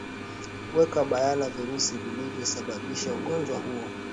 weka bayana virusi viliavyo sababisha ugonjwa huo